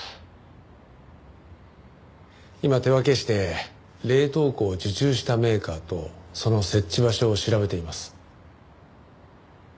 今手分けして冷凍庫を受注したメーカーとその設置場所を調べています。